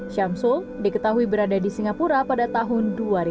syamsul diketahui berada di singapura pada tahun dua ribu dua